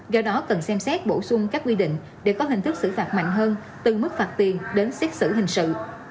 do đó cần xem xét bổ sung các quy định để có hình thức xử phạt mạnh hơn từ mức phạt tiền đến xét xử hình sự